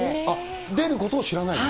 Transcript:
出ることを知らないの？